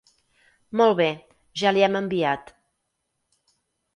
Molt bé, ja li hem enviat.